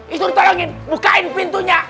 itu ditolongin bukain pintunya